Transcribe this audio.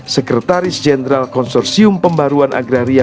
sekretaris jenderal konsorsium pembaruan agraria